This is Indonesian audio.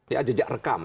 ya jejak rekam